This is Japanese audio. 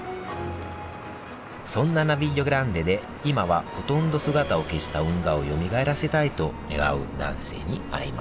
そんなナヴィリオ・グランデで今はほとんど姿を消した運河をよみがえらせたいと願う男性に会いました